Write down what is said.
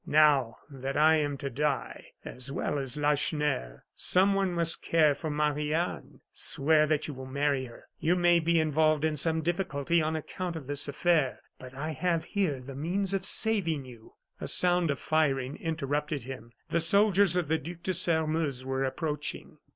Now that I am to die, as well as Lacheneur, someone must care for Marie Anne. Swear that you will marry her. You may be involved in some difficulty on account of this affair; but I have here the means of saving you." A sound of firing interrupted him; the soldiers of the Duc de Sairmeuse were approaching.